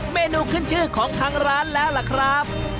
เมนูขึ้นชื่อของทางร้านแล้วล่ะครับ